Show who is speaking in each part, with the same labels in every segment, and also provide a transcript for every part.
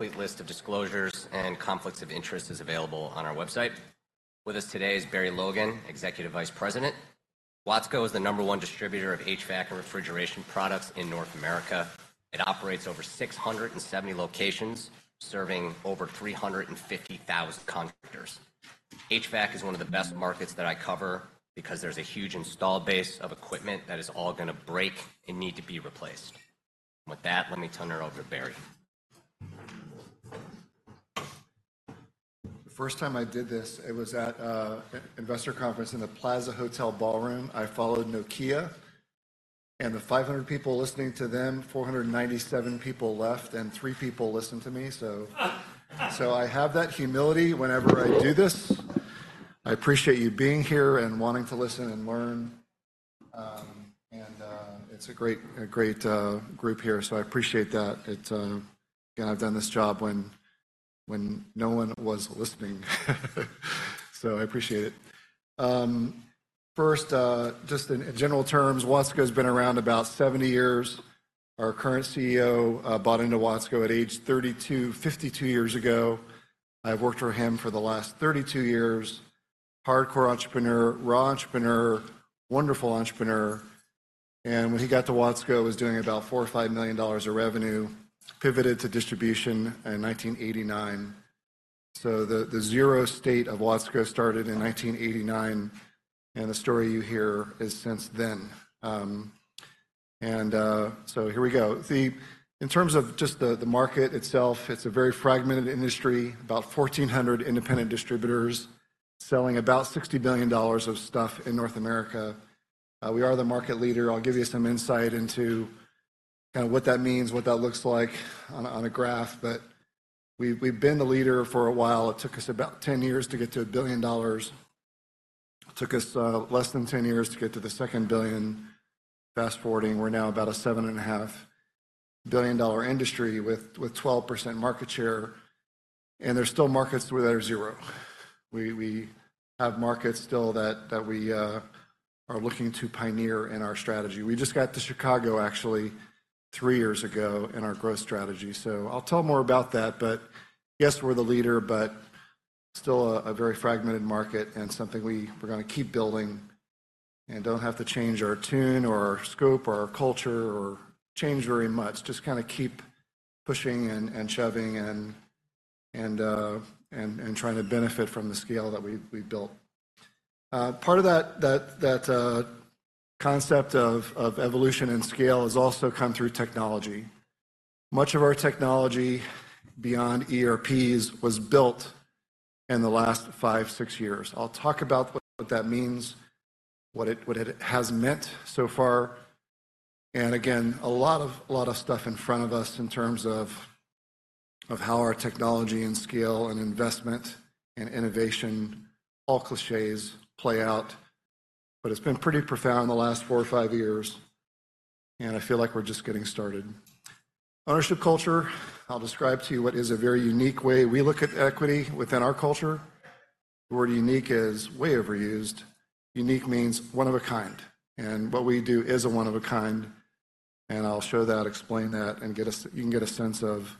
Speaker 1: Complete list of disclosures and conflicts of interest is available on our website. With us today is Barry Logan, Executive Vice President. Watsco is the number one distributor of HVAC and refrigeration products in North America. It operates over 670 locations, serving over 350,000 contractors. HVAC is one of the best markets that I cover because there's a huge installed base of equipment that is all gonna break and need to be replaced. With that, let me turn it over to Barry.
Speaker 2: The first time I did this, it was at an investor conference in the Plaza Hotel ballroom. I followed Nokia, and the 500 people listening to them, 497 people left, and three people listened to me, so I have that humility whenever I do this. I appreciate you being here and wanting to listen and learn. It's a great group here, so I appreciate that. Again, I've done this job when no one was listening, so I appreciate it. First, just in general terms, Watsco's been around about 70 years. Our current CEO bought into Watsco at age 32, 52 years ago. I've worked for him for the last 32 years. Hardcore entrepreneur, raw entrepreneur, wonderful entrepreneur, and when he got to Watsco, he was doing about $4-$5 million of revenue, pivoted to distribution in 1989. So the zero state of Watsco started in 1989, and the story you hear is since then. And so here we go. In terms of just the market itself, it's a very fragmented industry, about 1,400 independent distributors selling about $60 billion of stuff in North America. We are the market leader. I'll give you some insight into kind of what that means, what that looks like on a graph. But we've been the leader for a while. It took us about 10 years to get to $1 billion. It took us less than 10 years to get to the second billion. Fast-forwarding, we're now about a $7.5 billion industry with 12% market share, and there's still markets where there are zero. We have markets still that we are looking to pioneer in our strategy. We just got to Chicago actually three years ago in our growth strategy, so I'll tell more about that. But yes, we're the leader, but still a very fragmented market and something we're gonna keep building, and don't have to change our tune, or our scope, or our culture, or change very much, just kind of keep pushing and shoving, and trying to benefit from the scale that we've built. Part of that concept of evolution and scale has also come through technology. Much of our technology beyond ERPs was built in the last five, six years. I'll talk about what, what that means, what it, what it has meant so far, and again, a lot of, a lot of stuff in front of us in terms of, of how our technology, and scale, and investment, and innovation, all clichés, play out. But it's been pretty profound in the last four or five years, and I feel like we're just getting started. Ownership culture, I'll describe to you what is a very unique way we look at equity within our culture. The word unique is way overused. Unique means one of a kind, and what we do is a one of a kind, and I'll show that, explain that, and you can get a sense of,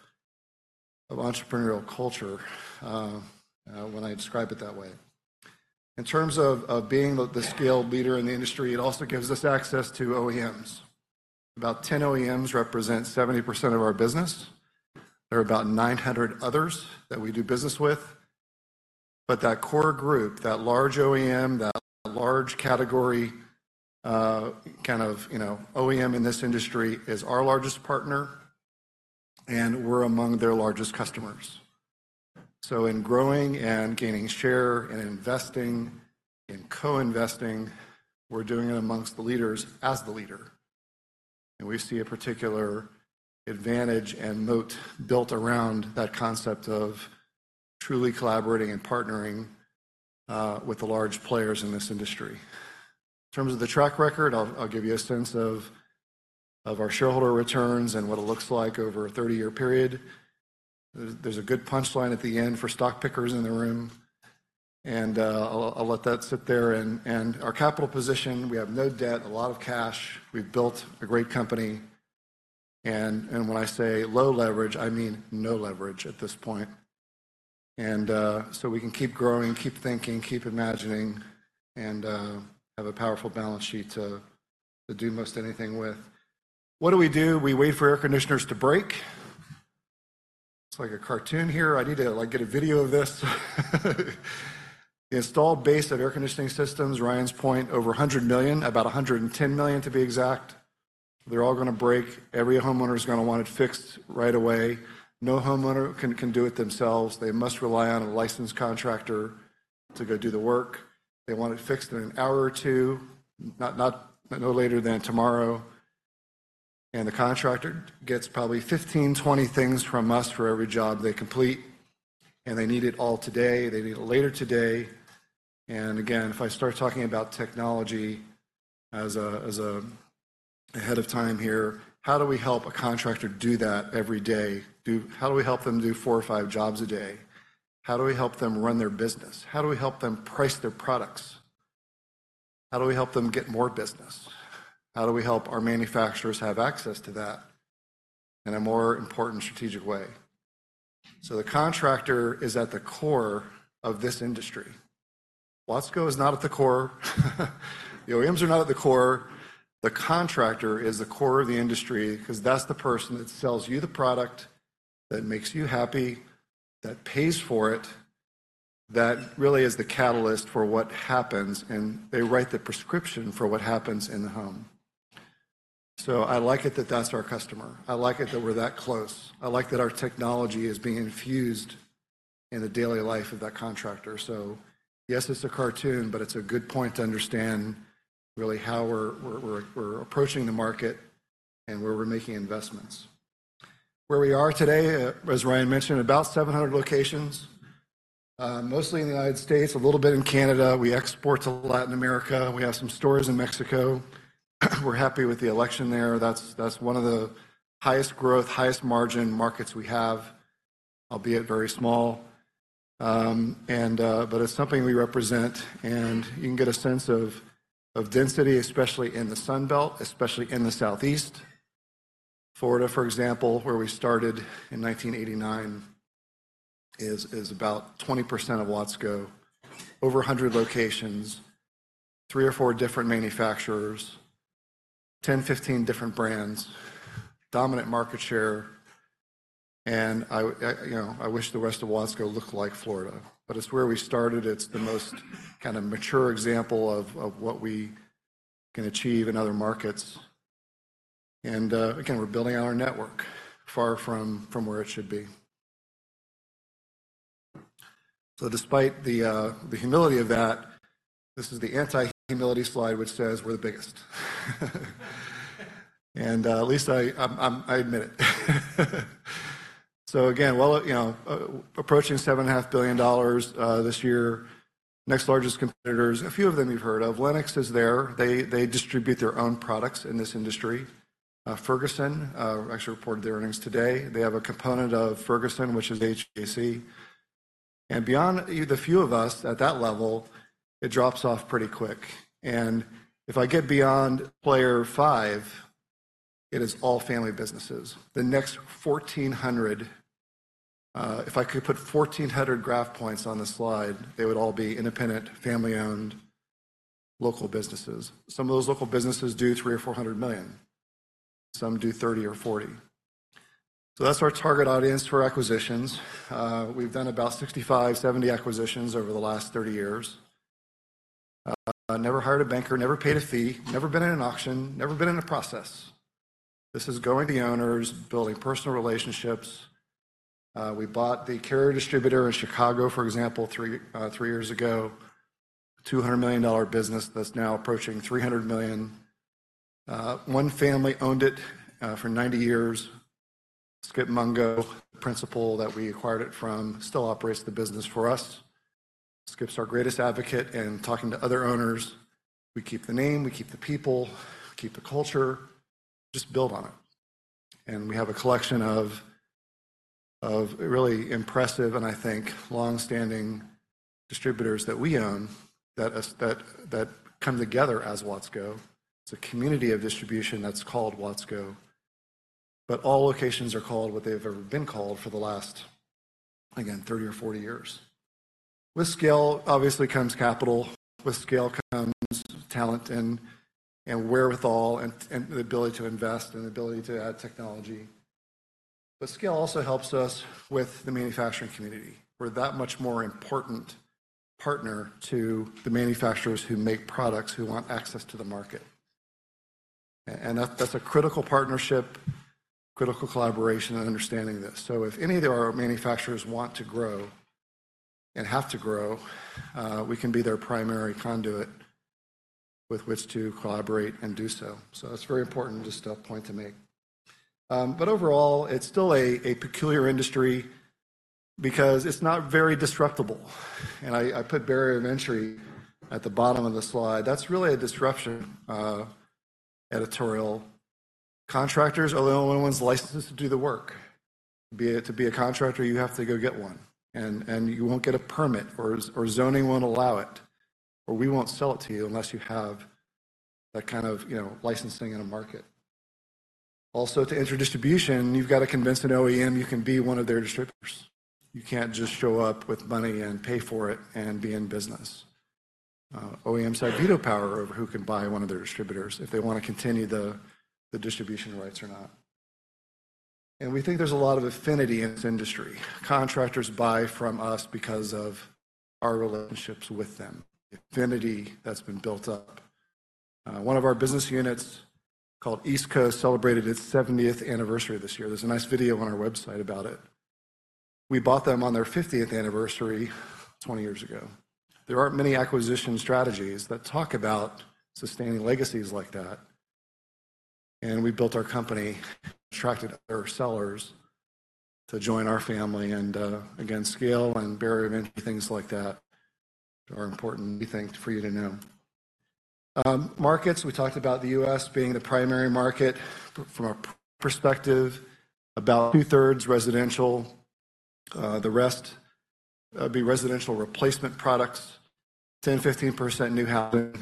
Speaker 2: of entrepreneurial culture, when I describe it that way. In terms of being the scale leader in the industry, it also gives us access to OEMs. About 10 OEMs represent 70% of our business. There are about 900 others that we do business with. But that core group, that large OEM, that large category, kind of, you know, OEM in this industry, is our largest partner, and we're among their largest customers. So in growing and gaining share, and investing, and co-investing, we're doing it amongst the leaders as the leader, and we see a particular advantage and moat built around that concept of truly collaborating and partnering with the large players in this industry. In terms of the track record, I'll give you a sense of our shareholder returns and what it looks like over a 30-year period. There's a good punchline at the end for stock pickers in the room, and I'll let that sit there. And our capital position, we have no debt, a lot of cash. We've built a great company, and when I say low leverage, I mean no leverage at this point. And so we can keep growing, keep thinking, keep imagining, and have a powerful balance sheet to do most anything with. What do we do? We wait for air conditioners to break. It's like a cartoon here. I need to like get a video of this. The installed base of air conditioning systems, Ryan's point, over 100 million, about 110 million, to be exact. They're all gonna break. Every homeowner is gonna want it fixed right away. No homeowner can do it themselves. They must rely on a licensed contractor to go do the work. They want it fixed in an hour or two, not... no later than tomorrow, and the contractor gets probably 15, 20 things from us for every job they complete, and they need it all today. They need it later today. And again, if I start talking about technology as ahead of time here, how do we help a contractor do that every day? How do we help them do four or five jobs a day? How do we help them run their business? How do we help them price their products? How do we help them get more business? How do we help our manufacturers have access to that in a more important strategic way? So the contractor is at the core of this industry. Watsco is not at the core. The OEMs are not at the core. The contractor is the core of the industry, 'cause that's the person that sells you the product, that makes you happy, that pays for it, that really is the catalyst for what happens, and they write the prescription for what happens in the home. So I like it that that's our customer. I like it that we're that close. I like that our technology is being infused in the daily life of that contractor. So yes, it's a cartoon, but it's a good point to understand really how we're approaching the market and where we're making investments. Where we are today, as Ryan mentioned, about 700 locations, mostly in the United States, a little bit in Canada. We export to Latin America. We have some stores in Mexico. We're happy with the election there. That's one of the highest growth, highest margin markets we have, albeit very small. And but it's something we represent, and you can get a sense of density, especially in the Sun Belt, especially in the Southeast. Florida, for example, where we started in 1989, is about 20% of Watsco. Over 100 locations, three or four different manufacturers, 10, 15 different brands, dominant market share, and I, you know, I wish the rest of Watsco looked like Florida. But it's where we started. It's the most kind of mature example of what we can achieve in other markets. And again, we're building out our network, far from where it should be. So despite the humility of that, this is the anti-humility slide, which says we're the biggest. And at least I admit it. So again, well, you know, approaching $7.5 billion this year. Next largest competitors, a few of them you've heard of. Lennox is there. They, they distribute their own products in this industry. Ferguson, actually reported their earnings today. They have a component of Ferguson, which is HVAC. And beyond the few of us at that level, it drops off pretty quick. And if I get beyond player five, it is all family businesses. The next 1,400, if I could put 1,400 data points on this slide, they would all be independent, family-owned, local businesses. Some of those local businesses do $300 million-$400 million. Some do $30 million-$40 million. So that's our target audience for acquisitions. We've done about 65-70 acquisitions over the last 30 years. Never hired a banker, never paid a fee, never been in an auction, never been in a process. This is going to the owners, building personal relationships. We bought the Carrier distributor in Chicago, for example, three, three years ago. $200 million business that's now approaching $300 million. One family owned it, for 90 years. Skip Mungo, the principal that we acquired it from, still operates the business for us. Skip's our greatest advocate in talking to other owners. We keep the name, we keep the people, we keep the culture. Just build on it. And we have a collection of, of really impressive and, I think, long-standing distributors that we own, that come together as Watsco. It's a community of distribution that's called Watsco, but all locations are called what they've ever been called for the last, again, 30 or 40 years. With scale, obviously comes capital. With scale comes talent and wherewithal, and the ability to invest, and the ability to add technology. But scale also helps us with the manufacturing community. We're that much more important partner to the manufacturers who make products, who want access to the market. And that, that's a critical partnership, critical collaboration, and understanding this. So if any of our manufacturers want to grow, and have to grow, we can be their primary conduit with which to collaborate and do so. So that's a very important just point to make. But overall, it's still a peculiar industry because it's not very disruptable, and I put barrier of entry at the bottom of the slide. That's really a disruption editorial. Contractors are the only ones licensed to do the work, be it to be a contractor, you have to go get one, and you won't get a permit, or zoning won't allow it, or we won't sell it to you unless you have that kind of, you know, licensing in a market. Also, to enter distribution, you've got to convince an OEM you can be one of their distributors. You can't just show up with money and pay for it and be in business. OEMs have veto power over who can buy one of their distributors if they want to continue the distribution rights or not. We think there's a lot of affinity in this industry. Contractors buy from us because of our relationships with them, affinity that's been built up. One of our business units, called East Coast, celebrated its seventieth anniversary this year. There's a nice video on our website about it. We bought them on their fiftieth anniversary, 20 years ago. There aren't many acquisition strategies that talk about sustaining legacies like that, and we built our company, attracted other sellers to join our family. Again, scale and barrier of entry, things like that, are important, we think, for you to know. Markets, we talked about the U.S. being the primary market. From our perspective, about two-thirds residential, the rest, that'd be residential replacement products, 10, 15% new housing,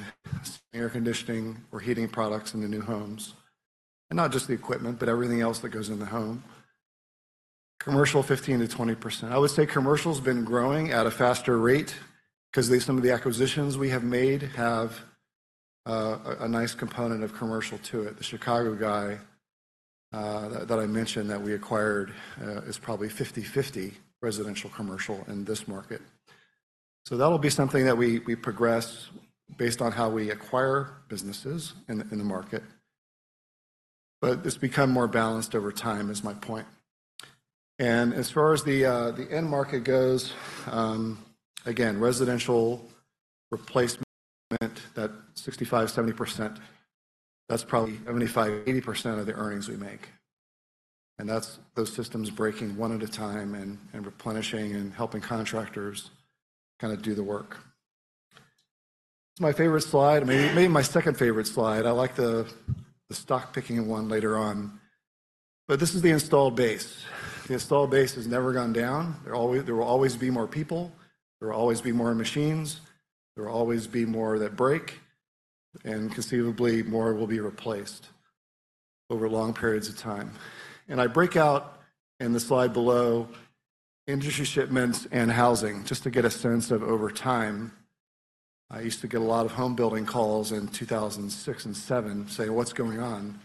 Speaker 2: air conditioning or heating products in the new homes. And not just the equipment, but everything else that goes in the home. Commercial, 15%-20%. I would say commercial's been growing at a faster rate 'cause they, some of the acquisitions we have made have a nice component of commercial to it. The Chicago guy that I mentioned that we acquired is probably 50/50 residential, commercial in this market. So that'll be something that we progress based on how we acquire businesses in the market. But it's become more balanced over time, is my point. And as far as the end market goes, again, residential replacement, that 65%-70%, that's probably 75%-80% of the earnings we make, and that's those systems breaking one at a time and replenishing, and helping contractors kinda do the work. This is my favorite slide, maybe, maybe my second favorite slide. I like the, the stock-picking one later on. But this is the installed base. The installed base has never gone down. There always, there will always be more people. There will always be more machines. There will always be more that break, and conceivably, more will be replaced over long periods of time. And I break out in the slide below, industry shipments and housing, just to get a sense of over time. I used to get a lot of home building calls in 2006 and 2007, saying: "What's going on?"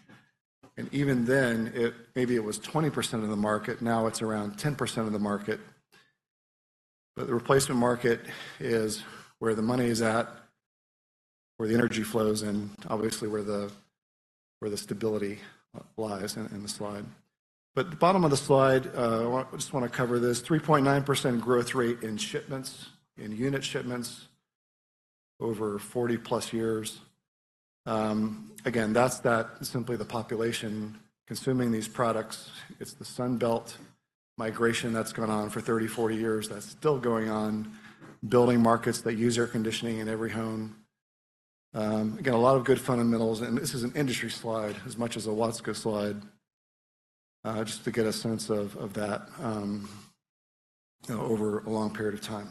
Speaker 2: And even then, it, maybe it was 20% of the market. Now it's around 10% of the market. But the replacement market is where the money is at, where the energy flows, and obviously, where the stability lies in the slide. But the bottom of the slide, I just wanna cover this: 3.9% growth rate in shipments, in unit shipments over 40+ years. Again, that's simply the population consuming these products. It's the Sun Belt migration that's gone on for 30, 40 years, that's still going on, building markets that use air conditioning in every home. Again, a lot of good fundamentals, and this is an industry slide as much as a Watsco slide, just to get a sense of that, you know, over a long period of time.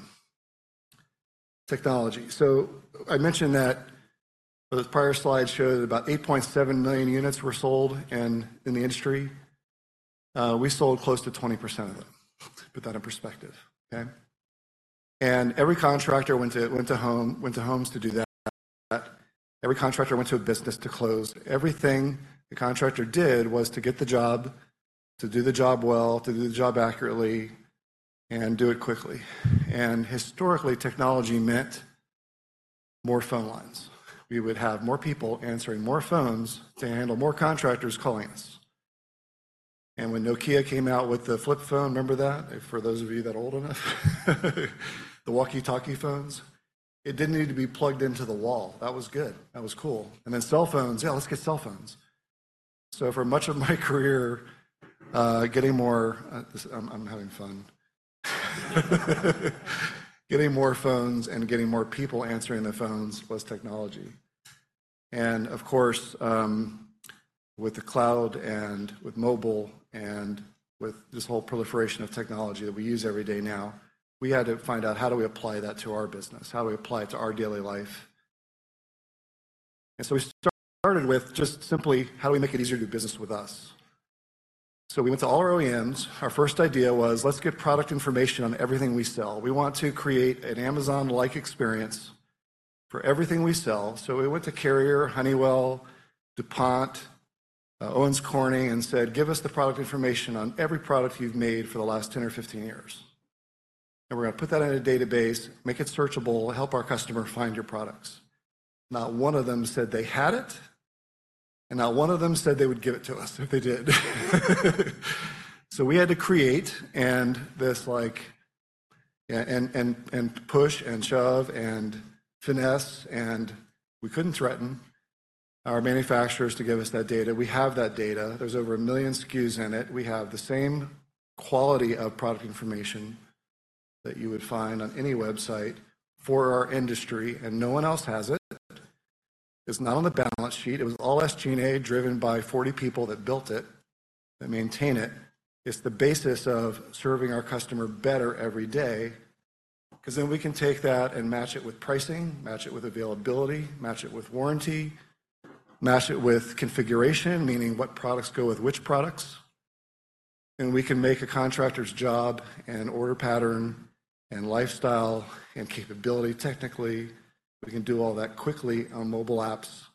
Speaker 2: Technology. So I mentioned that the prior slide showed about 8.7 million units were sold in the industry. We sold close to 20% of it. Put that in perspective, okay? And every contractor went to homes to do that. Every contractor went to a business to close. Everything the contractor did was to get the job, to do the job well, to do the job accurately, and do it quickly. And historically, technology meant more phone lines. We would have more people answering more phones to handle more contractors calling us. And when Nokia came out with the flip phone, remember that? For those of you that are old enough, the walkie-talkie phones, it didn't need to be plugged into the wall. That was good. That was cool. And then cell phones, "Yeah, let's get cell phones." So for much of my career, I'm having fun. Getting more phones and getting more people answering the phones was technology. Of course, with the cloud and with mobile and with this whole proliferation of technology that we use every day now, we had to find out, how do we apply that to our business? How do we apply it to our daily life? So we started with just simply, how do we make it easier to do business with us? So we went to all our OEMs. Our first idea was, let's get product information on everything we sell. We want to create an Amazon-like experience for everything we sell. So we went to Carrier, Honeywell, DuPont, Owens Corning, and said: "Give us the product information on every product you've made for the last 10 or 15 years. And we're gonna put that in a database, make it searchable, help our customer find your products." Not one of them said they had it, and not one of them said they would give it to us if they did. So we had to create, and this, like push, and shove, and finesse, and we couldn't threaten our manufacturers to give us that data. We have that data. There's over 1 million SKUs in it. We have the same quality of product information that you would find on any website for our industry, and no one else has it. It's not on the balance sheet. It was all SG&A-driven by 40 people that built it, that maintain it. It's the basis of serving our customer better every day, 'cause then we can take that and match it with pricing, match it with availability, match it with warranty, match it with configuration, meaning what products go with which products, and we can make a contractor's job, and order pattern, and lifestyle, and capability. Technically, we can do all that quickly on mobile apps.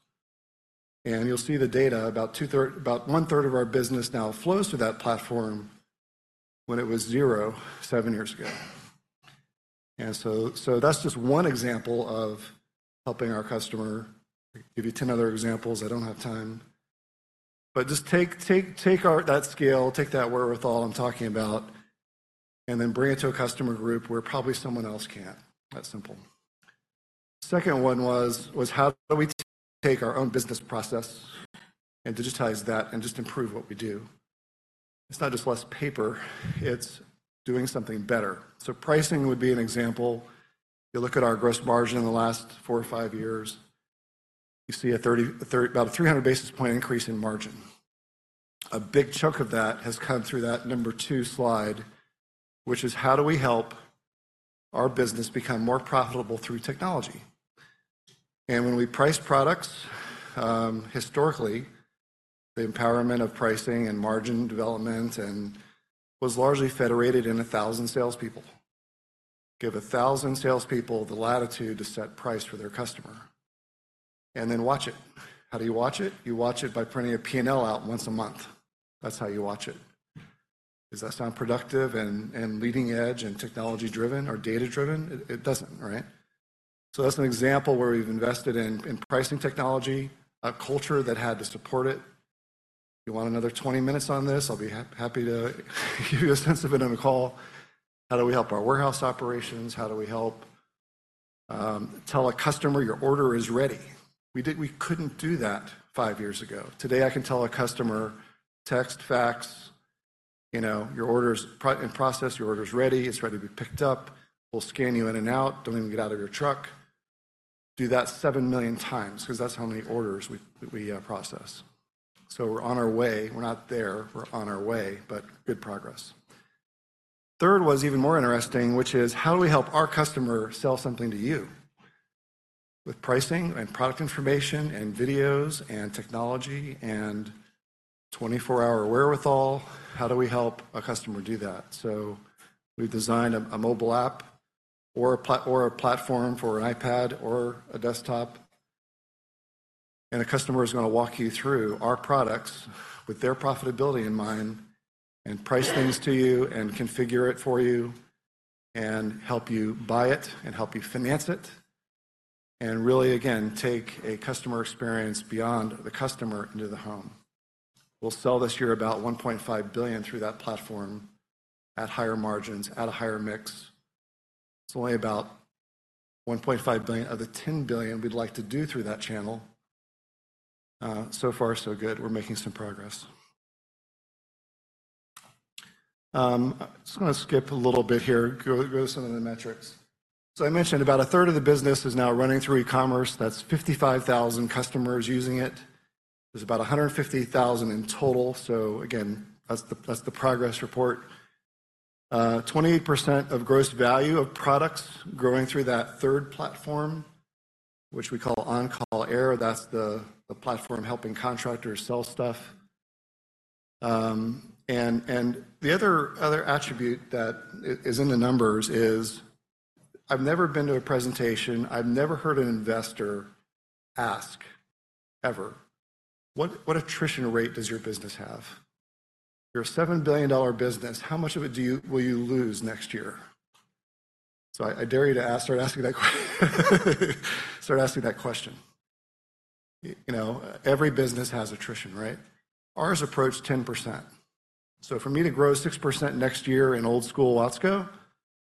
Speaker 2: And you'll see the data, about two-thirds, about one-third of our business now flows through that platform, when it was zero 7 years ago. And so that's just one example of helping our customer. I'd give you 10 other examples. I don't have time. But just take our—that scale, take that wherewithal I'm talking about, and then bring it to a customer group where probably someone else can't. That simple. Second one was how do we take our own business process and digitize that and just improve what we do? It's not just less paper, it's doing something better. So pricing would be an example. If you look at our gross margin in the last four or five years, you see about a 300 basis point increase in margin. A big chunk of that has come through that number two slide, which is: how do we help our business become more profitable through technology? And when we price products, historically, the empowerment of pricing and margin development was largely federated in 1,000 salespeople. Give 1,000 salespeople the latitude to set price for their customer, and then watch it. How do you watch it? You watch it by printing a P&L out once a month. That's how you watch it. Does that sound productive, and leading edge, and technology-driven or data-driven? It doesn't, right? So that's an example where we've invested in pricing technology, a culture that had to support it. You want another 20 minutes on this, I'll be happy to give you a sense of it on the call. How do we help our warehouse operations? How do we help tell a customer, "Your order is ready"? We couldn't do that five years ago. Today, I can tell a customer, text, fax, "You know, your order's in process. Your order's ready. It's ready to be picked up. We'll scan you in and out. Don't even get out of your truck." Do that 7 million times, 'cause that's how many orders we process. So we're on our way. We're not there. We're on our way, but good progress. Third was even more interesting, which is: how do we help our customer sell something to you? With pricing, and product information, and videos, and technology, and 24-hour wherewithal, how do we help a customer do that? So we've designed a mobile app or a platform for an iPad or a desktop, and a customer is gonna walk you through our products with their profitability in mind, and price things to you, and configure it for you, and help you buy it, and help you finance it, and really, again, take a customer experience beyond the customer into the home. We'll sell this year about $1.5 billion through that platform at higher margins, at a higher mix. It's only about $1.5 billion of the $10 billion we'd like to do through that channel. So far, so good. We're making some progress. I just wanna skip a little bit here, go to some of the metrics. So I mentioned about a third of the business is now running through e-commerce. That's 55,000 customers using it. There's about 150,000 in total, so again, that's the progress report. 28% of gross value of products growing through that third platform, which we call OnCall Air. That's the platform helping contractors sell stuff. And the other attribute that is in the numbers is... I've never been to a presentation, I've never heard an investor ask, ever: "What, what attrition rate does your business have? You're a $7 billion business. How much of it do you, will you lose next year?" So I dare you to ask, start asking that question. You know, every business has attrition, right? Ours approached 10%. So for me to grow 6% next year in old-school Watsco,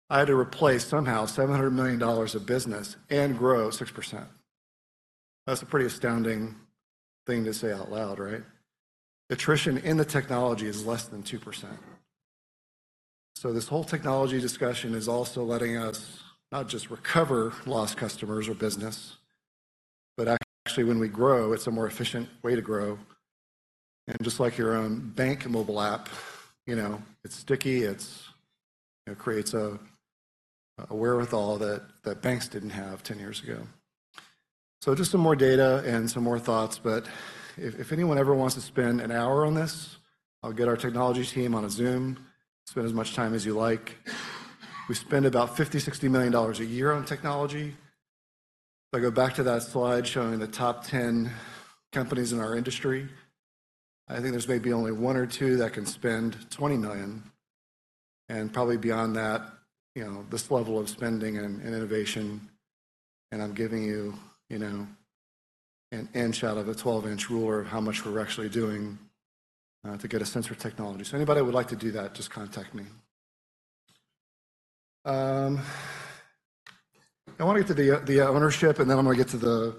Speaker 2: I had to replace somehow $700 million of business and grow 6%. That's a pretty astounding thing to say out loud, right? Attrition in the technology is less than 2%. So this whole technology discussion is also letting us not just recover lost customers or business, but actually, when we grow, it's a more efficient way to grow. And just like your own bank mobile app, you know, it's sticky. It's... It creates a wherewithal that banks didn't have ten years ago. So just some more data and some more thoughts, but if anyone ever wants to spend an hour on this, I'll get our technology team on a Zoom. Spend as much time as you like. We spend about $50-$60 million a year on technology. If I go back to that slide showing the top 10 companies in our industry, I think there's maybe only one or two that can spend $20 million, and probably beyond that, you know, this level of spending and innovation, and I'm giving you, you know, an inch out of a 12-inch ruler of how much we're actually doing to get a sense for technology. So anybody who would like to do that, just contact me. I wanna get to the ownership, and then I'm gonna get to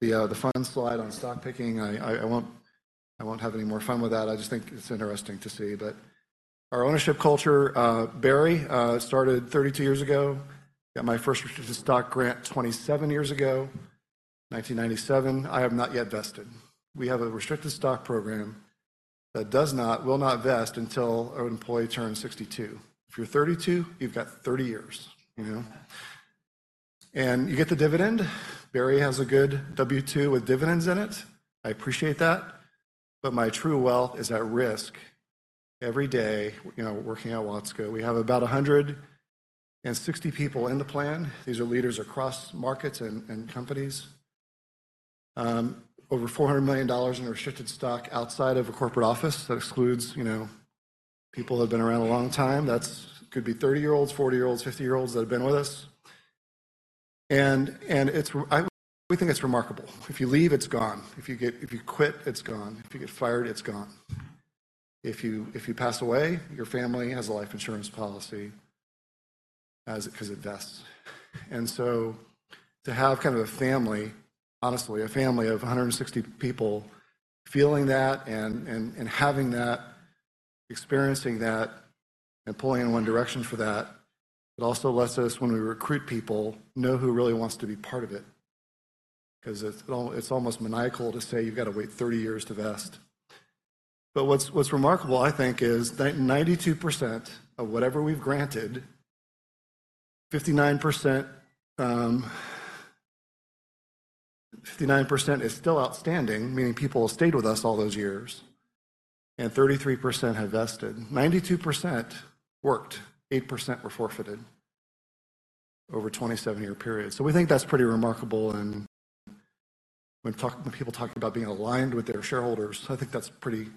Speaker 2: the fun slide on stock picking. I won't have any more fun with that. I just think it's interesting to see. But our ownership culture, Barry, started 32 years ago. Got my first restricted stock grant 27 years ago, 1997. I have not yet vested. We have a restricted stock program that does not, will not vest until an employee turns 62. If you're 32, you've got 30 years, you know? And you get the dividend. Barry has a good W-2 with dividends in it. I appreciate that, but my true wealth is at risk every day, you know, working at Watsco. We have about 160 people in the plan. These are leaders across markets and, and companies. Over $400 million in restricted stock outside of a corporate office. That excludes, you know, people who have been around a long time. That could be 30-year-olds, 40-year-olds, 50-year-olds that have been with us. And, and we think it's remarkable. If you leave, it's gone. If you get, if you quit, it's gone. If you get fired, it's gone. If you pass away, your family has a life insurance policy, as 'cause it vests. And so to have kind of a family, honestly, a family of 160 people feeling that and having that, experiencing that, and pulling in one direction for that, it also lets us, when we recruit people, know who really wants to be part of it.... 'cause it's almost maniacal to say you've gotta wait 30 years to vest. But what's remarkable, I think, is that 92% of whatever we've granted, 59%, 59% is still outstanding, meaning people have stayed with us all those years, and 33% have vested. 92% worked, 8% were forfeited over a 27-year period. So we think that's pretty remarkable, and when people talk about being aligned with their shareholders, I think that's pretty,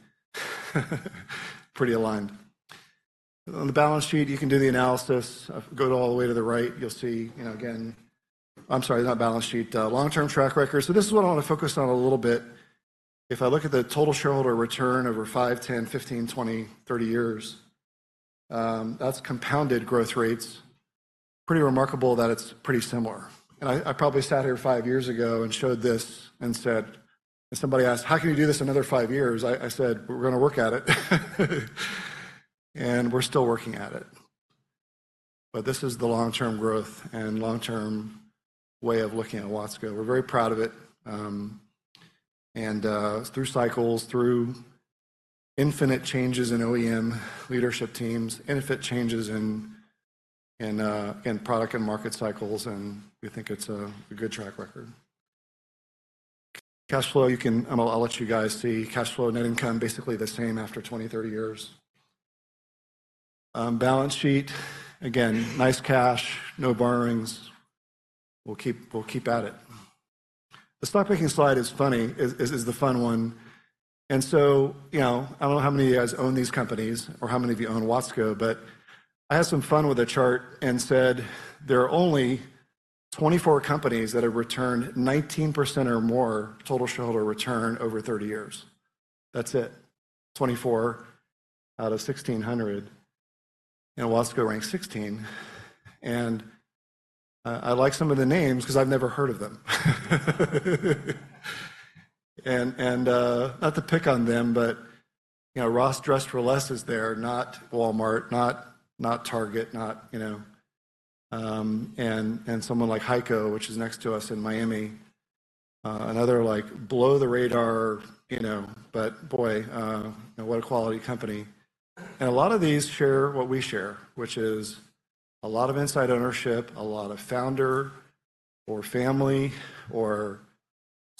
Speaker 2: pretty aligned. On the balance sheet, you can do the analysis. Go all the way to the right, you'll see, you know, again. I'm sorry, not balance sheet, long-term track record. So this is what I wanna focus on a little bit. If I look at the total shareholder return over five, 10, 15, 20, 30 years, that's compounded growth rates. Pretty remarkable that it's pretty similar. And I probably sat here five years ago and showed this and said, if somebody asked, "How can you do this another five years?" I said, "We're gonna work at it." And we're still working at it. But this is the long-term growth and long-term way of looking at Watsco. We're very proud of it. Through cycles, through infinite changes in OEM leadership teams, infinite changes in product and market cycles, and we think it's a good track record. Cash flow, I'll let you guys see cash flow and net income, basically the same after 20, 30 years. Balance sheet, again, nice cash, no borrowings. We'll keep at it. The stock picking slide is funny, is the fun one. You know, I don't know how many of you guys own these companies or how many of you own Watsco, but I had some fun with the chart and said, there are only 24 companies that have returned 19% or more total shareholder return over 30 years. That's it, 24 out of 1,600, and Watsco ranked 16. I like some of the names 'cause I've never heard of them. And, not to pick on them, but, you know, Ross Dress for Less is there, not Walmart, not Target, not, you know... And someone like HEICO, which is next to us in Miami, another, like, below-the-radar, you know, but boy, what a quality company. And a lot of these share what we share, which is a lot of inside ownership, a lot of founder or family or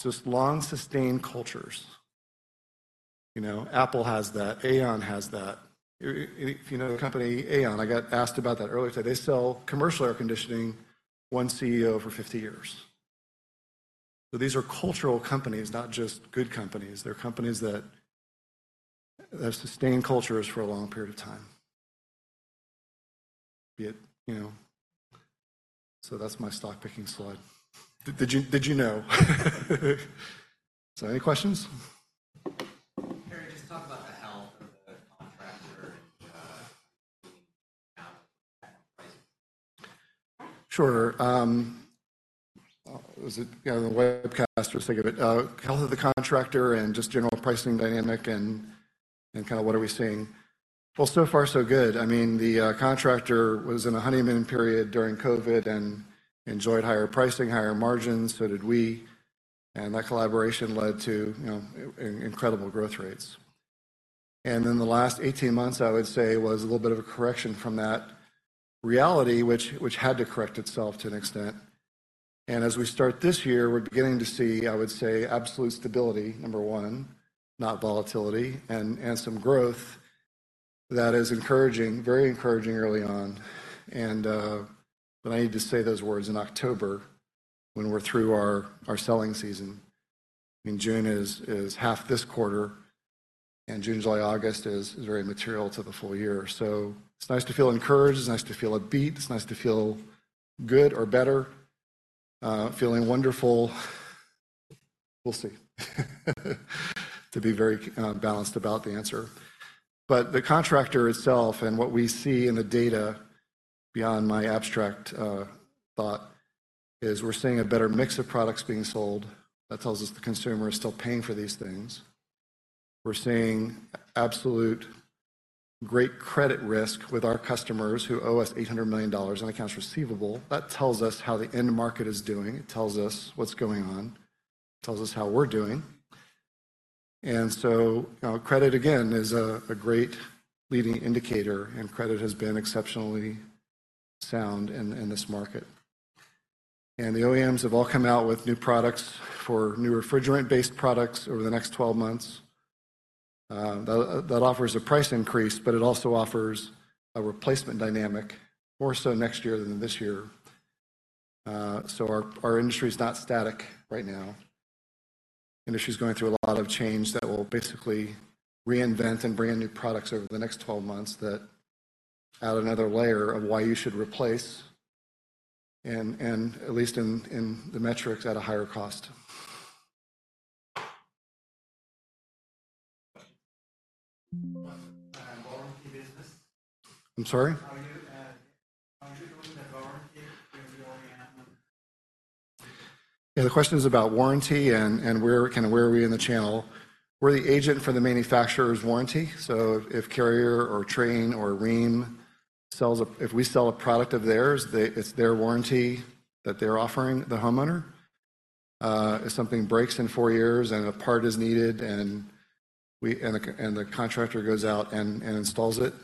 Speaker 2: just long-sustained cultures. You know, Apple has that, AAON has that. If you know the company AAON, I got asked about that earlier today. They sell commercial air conditioning, one CEO for 50 years. So these are cultural companies, not just good companies. They're companies that sustain cultures for a long period of time, be it, you know... So that's my stock picking slide. Did you know? So any questions?
Speaker 3: Barry, just talk about the health of the contractor and the output and pricing.
Speaker 2: Sure. Was it, you know, the webcast? Just think of it. Health of the contractor and just general pricing dynamic and kinda what are we seeing? Well, so far so good. I mean, the contractor was in a honeymoon period during COVID and enjoyed higher pricing, higher margins. So did we, and that collaboration led to, you know, incredible growth rates. And in the last 18 months, I would say, was a little bit of a correction from that reality, which had to correct itself to an extent. And as we start this year, we're beginning to see, I would say, absolute stability, number one, not volatility, and some growth. That is encouraging, very encouraging early on, and but I need to say those words in October, when we're through our selling season. I mean, June is half this quarter, and June, July, August is very material to the full year. So it's nice to feel encouraged, it's nice to feel upbeat, it's nice to feel good or better. Feeling wonderful, we'll see, to be very balanced about the answer. But the contractor itself and what we see in the data, beyond my abstract thought, is we're seeing a better mix of products being sold. That tells us the consumer is still paying for these things. We're seeing absolute great credit risk with our customers, who owe us $800 million in accounts receivable. That tells us how the end market is doing. It tells us what's going on. It tells us how we're doing. And so, you know, credit, again, is a great leading indicator, and credit has been exceptionally sound in this market. The OEMs have all come out with new products for new refrigerant-based products over the next 12 months. That offers a price increase, but it also offers a replacement dynamic, more so next year than this year. Our industry's not static right now. The industry's going through a lot of change that will basically reinvent and brand new products over the next 12 months that add another layer of why you should replace, and at least in the metrics, at a higher cost. Warranty business? I'm sorry? How are you, how are you doing with the warranty with the OEM? Yeah, the question is about warranty and where, kind of where are we in the channel. We're the agent for the manufacturer's warranty, so if Carrier or Trane or Rheem sells a... If we sell a product of theirs, it's their warranty that they're offering the homeowner. If something breaks in four years and a part is needed, and the contractor goes out and installs it,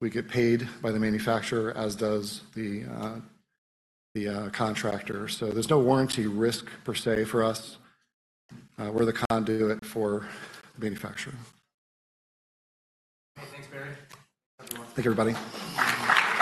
Speaker 2: we get paid by the manufacturer, as does the contractor. So there's no warranty risk per se for us. We're the conduit for the manufacturer.
Speaker 3: Well, thanks, Barry.
Speaker 2: Thank you, everybody.